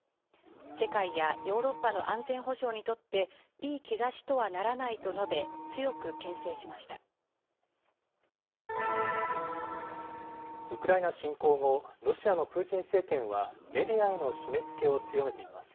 世界やヨーロッパの安全保障にとっていい兆しとはならないと述べ、ウクライナ侵攻後、ロシアのプーチン政権は、メディアへの締め付けを強めています。